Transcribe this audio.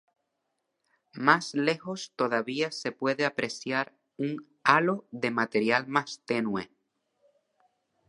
Más lejos todavía se puede apreciar un halo de material más tenue.